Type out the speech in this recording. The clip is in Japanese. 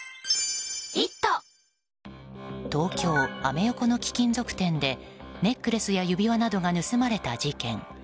東京・アメ横の貴金属店でネックレスや指輪などが盗まれた事件。